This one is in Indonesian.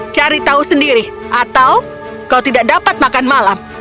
cari tahu sendiri atau kau tidak dapat makan malam